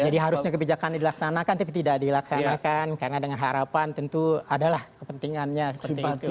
jadi harusnya kebijakan dilaksanakan tapi tidak dilaksanakan karena dengan harapan tentu adalah kepentingannya seperti itu